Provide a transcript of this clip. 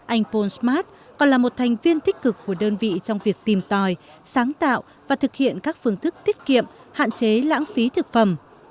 anh pol smart còn là một thành viên tích cực của đơn vị trong việc tìm tòi sáng tạo và thực hiện các phương thức tiết kiệm hạn chế lãng phí thực phẩm